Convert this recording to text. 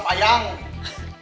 bandar lauk tukang payang